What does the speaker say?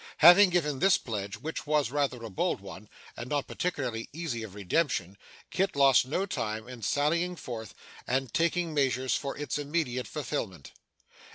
Having given this pledge, which was rather a bold one, and not particularly easy of redemption, Kit lost no time in sallying forth, and taking measures for its immediate fulfilment.